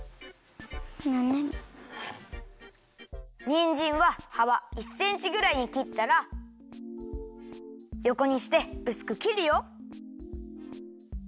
にんじんははば１センチぐらいにきったらよこにしてうすくきるよ。